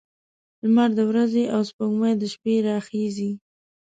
لمر د ورځې او سپوږمۍ له شپې راخيژي